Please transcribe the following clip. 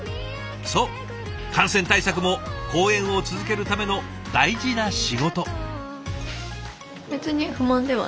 そう感染対策も公演を続けるための大事な仕事。